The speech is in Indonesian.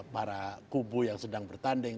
para kubu yang sedang bertanding